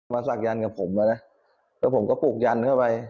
มาสักยันต์กับผมแล้วนะก็ผมก็ปลูกยันต์เข้าไป